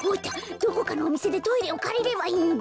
どこかのおみせでトイレをかりればいいんだ。